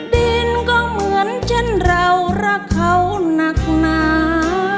ดินก็เหมือนเช่นเรารักเขานักหนา